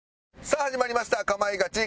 さあ始まりました『かまいガチ』。